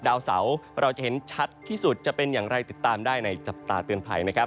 ดาวเสาเราจะเห็นชัดที่สุดจะเป็นอย่างไรติดตามได้ในจับตาเตือนภัยนะครับ